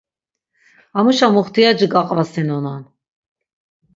Amuşa muxtiyaci gaqvasinonan.